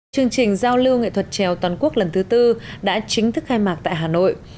chương trình giao lưu nghệ thuật trèo toàn quốc lần thứ tư đã chính thức khai mạc tại hà nội